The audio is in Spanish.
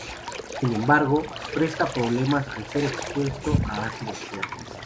Sin embargo, presenta problemas al ser expuesto a ácidos fuertes.